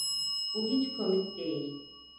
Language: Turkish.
Bu hiç komik değil!